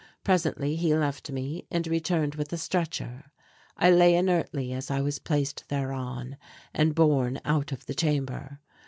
Presently he left me and returned with a stretcher. I lay inertly as I was placed thereon and borne out of the chamber.